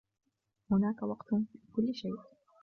هناك وقت لكل شيء.